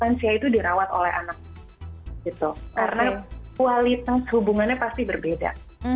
lansia itu dirawat oleh anak karena kualitas hubungannya pasti berbeda